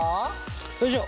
よいしょ。